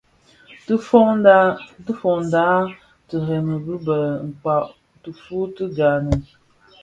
Ti foňdak tiremi bi bë nkak tifuu ti gani.